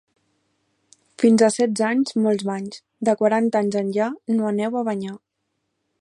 Fins a setze anys, molts banys; de quaranta anys enllà no aneu a banyar.